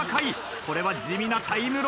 これは地味なタイムロス。